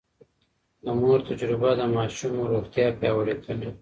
د مور تجربه د ماشوم روغتيا پياوړې کوي.